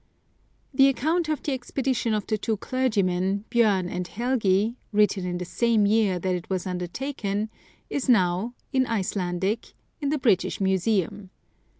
The account of the expedition of the two clergy men, Bjorn and Helgi, written in the same year that it was undertaken, is now, in Icelandic, in the British Museum.